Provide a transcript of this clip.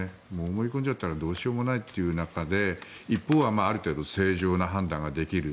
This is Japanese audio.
思い込んじゃったらどうしようもないという中で一方は、ある程度正常な判断ができる。